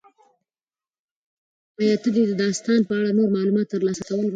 ایا ته د دې داستان په اړه نور معلومات ترلاسه کول غواړې؟